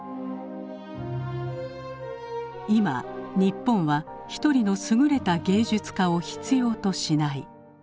「今日本は一人のすぐれた芸術家を必要としない。